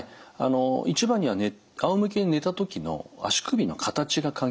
一番にはあおむきに寝た時の足首の形が関係しています。